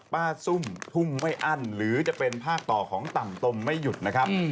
ซุ่มพุ่งไม่อั้นหรือจะเป็นภาคต่อของต่ำตมไม่หยุดนะครับ